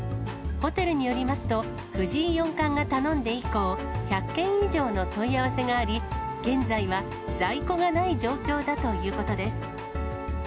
ホテルによりますと、藤井四冠が頼んで以降、１００件以上の問い合わせがあり、現在は在庫がない状況だということです。